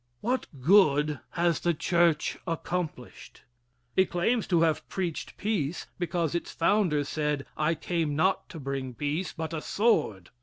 What Good has the Church Accomplished? It claims to have preached peace because its founder said, "I came not to bring peace but a sword."